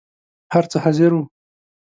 هر څه حاضر وو.